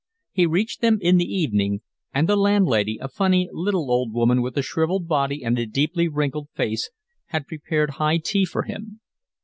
He reached them in the evening; and the landlady, a funny little old woman with a shrivelled body and a deeply wrinkled face, had prepared high tea for him.